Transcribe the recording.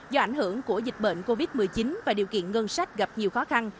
do ảnh hưởng của dịch bệnh covid một mươi chín và điều kiện ngân sách gặp nhiều khó khăn